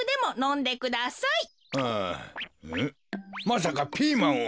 まさかピーマンを。